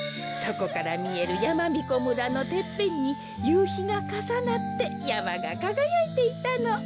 そこからみえるやまびこ村のてっぺんにゆうひがかさなってやまがかがやいていたの。